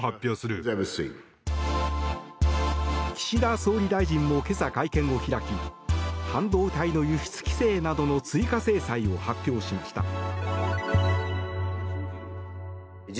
岸田総理大臣も今朝、会見を開き半導体の輸出規制などの追加制裁を発表しました。